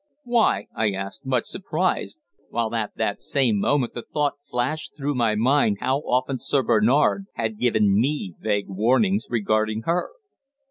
"Why?" I asked, much surprised, while at that same moment the thought flashed through my mind how often Sir Bernard had given me vague warnings regarding her.